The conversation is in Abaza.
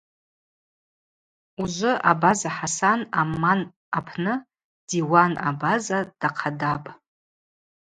Ужвы Абаза Хӏасан Амман апны Диуан Абаза дахъадапӏ.